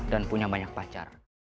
dan punya banyak pacar